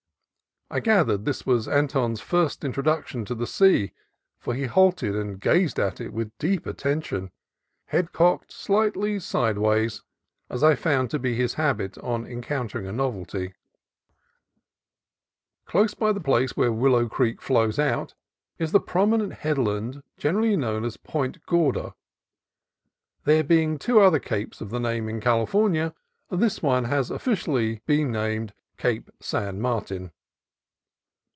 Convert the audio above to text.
I gathered that this was Anton's first introduction to the sea, for he halted and gazed at it with deep attention, head cocked slightly sideways, as I found to be his habit on encountering a novelty. THE COAST AGAIN 191 Close by the place where Willow Creek flows out is the prominent headland generally known as Point Gorda. There being two other capes of the name in California, this one has been officially named Cape San Martin.